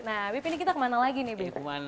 nah bip ini kita kemana lagi nih bip